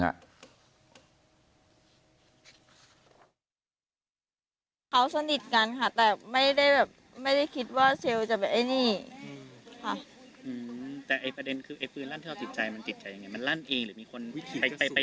เขาสนิทกันค่ะแต่ไม่ได้คิดว่าเชลล์จะเป็นไอ้นี่ค่ะ